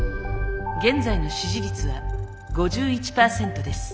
現在の支持率は５１％です。